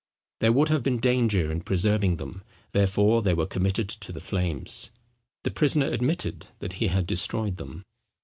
There would have been danger in preserving them, therefore they were committed to the flames. The prisoner admitted that he had destroyed them.